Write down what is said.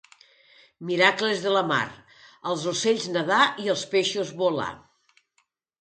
Miracles de la mar: els ocells, nedar, i els peixos, volar.